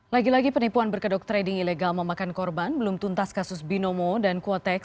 lagi lagi penipuan berkedok trading ilegal memakan korban belum tuntas kasus binomo dan quotex